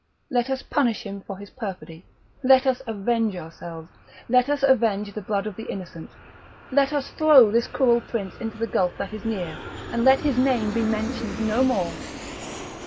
Let us punish him for his perfidy! let us avenge ourselves! let us avenge the blood of the innocent! let us throw this cruel prince into the gulf that is near, and let his name be mentioned no more!"